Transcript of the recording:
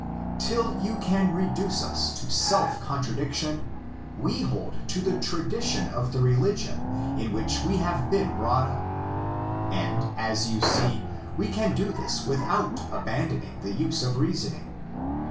Till you can reduce us to self contradiction, we hold to the tradition of the religion in which we have been 4 THE ORIGINS OF CHRISTIANITY brought up. And, as you see, we can do this without abandoning the use of reasoning.